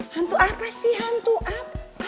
hantu apa sih hantu up